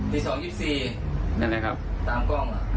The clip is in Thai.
ตี๒๒๔นั่นแหละครับตามกล้อง